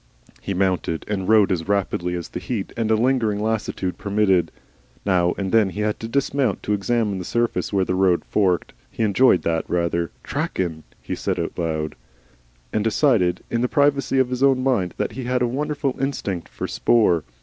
He mounted and rode as rapidly as the heat and a lingering lassitude permitted. Now and then he had to dismount to examine the surface where the road forked. He enjoyed that rather. "Trackin'," he said aloud, and decided in the privacy of his own mind that he had a wonderful instinct for 'spoor.